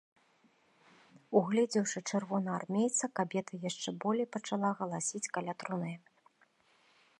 Угледзеўшы чырвонаармейца, кабета яшчэ болей пачала галасіць каля труны.